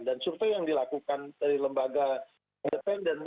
dan survei yang dilakukan dari lembaga independen